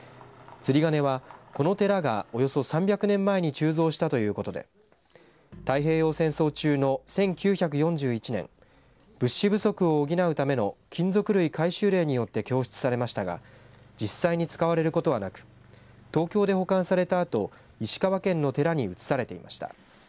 釣り鐘は、この寺がおよそ３００年前に鋳造したということで太平洋戦争中の１９４１年物資不足を補うための金属類回収令によって供出されましたが実際に使われることはなく東京で保管されたあと石川県の寺に移されていました。